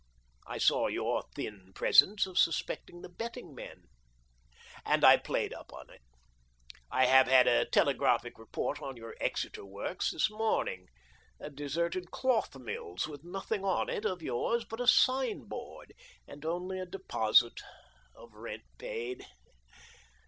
I saw your thin pretence of suspecting the betting men, and I played up to it. I have had a telegraphic report on your Exeter works this morning — a deserted cloth mills with nothing on it of yours but a sign board, and only a deposit of rent paid.